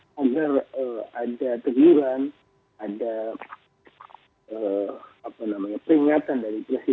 agar ada kegiatan ada peringatan dari presiden karena ini fase fase yang penting untuk rakyat